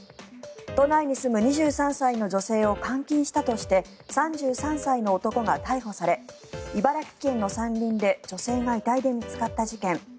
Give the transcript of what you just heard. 都内に住む２３歳の女性を監禁したとして３３歳の男が逮捕され茨城県の山林で女性が遺体で見つかった事件。